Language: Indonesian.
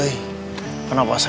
tidak ada jalan